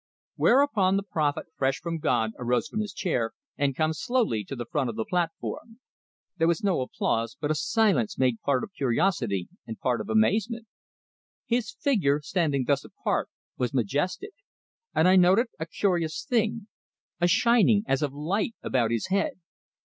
Whereupon the prophet fresh from God arose from his chair, and come slowly to the front of the platform. There was no applause, but a silence made part of curiosity and part of amazement. His figure, standing thus apart, was majestic; and I noted a curious thing a shining as of light about his head.